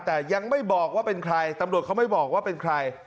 แต่ยังไม่บอกว่าเป็นใครตำรวจเขาไม่บอกว่าเป็นใคร